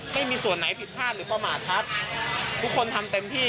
ไม่มีส่วนไหนผิดพลาดหรือประมาทครับทุกคนทำเต็มที่